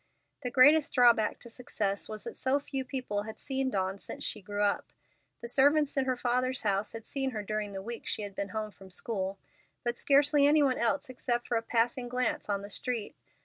The greatest drawback to success was that so few people had seen Dawn since she grew up. The servants in her father's house had seen her during the week she had been home from school, but scarcely any one else except for a passing glance on the street.